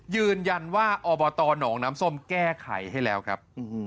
ยืนยันว่าอบตหนองน้ำส้มแก้ไขให้แล้วครับ